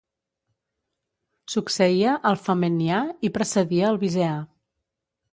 Succeïa el Famennià i precedia el Viseà.